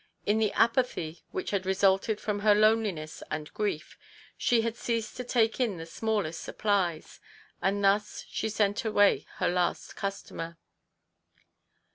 In the apathy which had resulted from her loneliness and grief she had ceased to take in the smallest supplies, and thus had sent away her last customer.